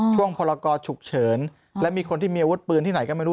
พลกฉุกเฉินและมีคนที่มีอาวุธปืนที่ไหนก็ไม่รู้